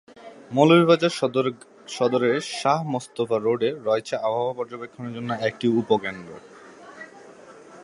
মৌলভীবাজার সদরের শাহ মোস্তফা রোডে রয়েছে আবহাওয়া পর্যবেক্ষণের জন্য একটি উপকেন্দ্র।